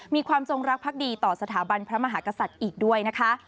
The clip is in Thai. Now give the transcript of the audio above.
มีความจงรักพักดีต่อสถาบันพระมหากษัตริย์อีกด้วยนะคะ